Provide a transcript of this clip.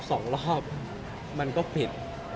สองรอบมันก็ผิด